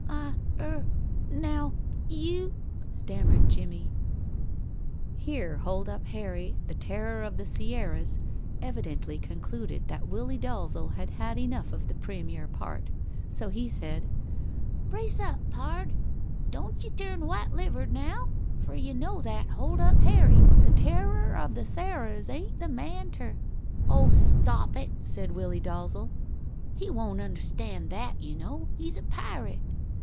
"I er now you " stammered Jimmie. Here Hold up Harry, the Terror of the Sierras, evidently concluded that Willie Dalzel had had enough of the premier part, so he said: "Brace up, pard. Don't ye turn white livered now, fer ye know that Hold up Harry, the Terrar of the Sarahs, ain't the man ter " "Oh, stop it!" said Willie Dalzel. "He won't understand that, you know. He's a pirate.